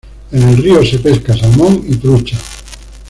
En el río se pesca salmón y trucha.